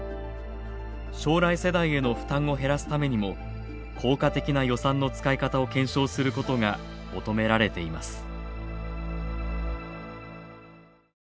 将来世代への負担を減らすためにも効果的な予算の使い方を検証することが求められています。